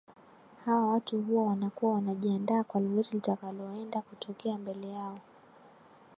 Hawa watu huwa wanakuwa wanajiandaa kwa lolote litakaloenda kutokea mbele yao